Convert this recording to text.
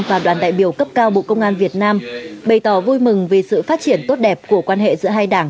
và đoàn đại biểu cấp cao bộ công an việt nam bày tỏ vui mừng về sự phát triển tốt đẹp của quan hệ giữa hai đảng